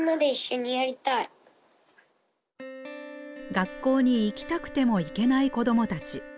学校に行きたくても行けない子どもたち。